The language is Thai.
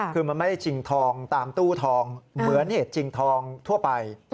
คือมันไม่ได้ชิงทองตามตู้ทองเหมือนเหตุจริงทองทั่วไป